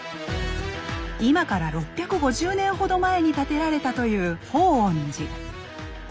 今から６５０年ほど前に建てられたという報恩寺。